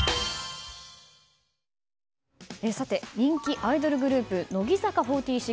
人気アイドルグループ乃木坂４６。